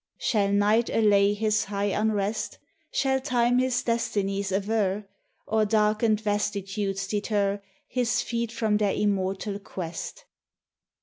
Shall night allay his high unrest? Shall Time his destinies aver, Or darkened vastitude deter His feet from their immortal quest?